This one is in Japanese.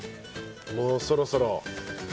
もうそろそろ。